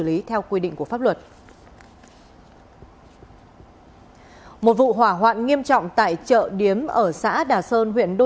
lý theo quy định của pháp luật một vụ hỏa hoạn nghiêm trọng tại chợ điếm ở xã đà sơn huyện đô